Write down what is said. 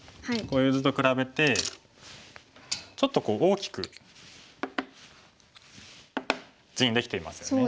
こういう図と比べてちょっと大きく地にできていますよね。